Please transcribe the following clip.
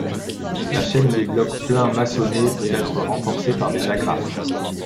La chaîne des blocs pleins maçonnés peut être renforcée par des agrafes.